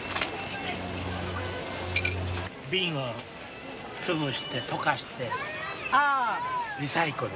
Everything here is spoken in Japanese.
瓶を潰して溶かしてリサイクル。